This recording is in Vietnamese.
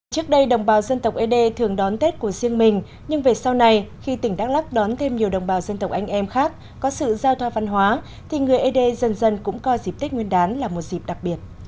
trước đây đồng bào dân tộc ế đê thường đón tết của riêng mình nhưng về sau này khi tỉnh đắk lắc đón thêm nhiều đồng bào dân tộc anh em khác có sự giao thoa văn hóa thì người ế đê dần dần cũng coi dịp tết nguyên đán là một dịp đặc biệt